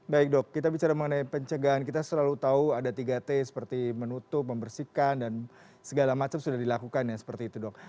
baik dok kita bicara mengenai pencegahan kita selalu tahu ada tiga t seperti menutup membersihkan dan segala macam sudah dilakukan ya seperti itu dok